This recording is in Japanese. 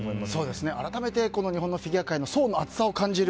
改めて日本フィギュア界の層の厚さを感じる